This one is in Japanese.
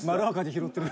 拾ってる。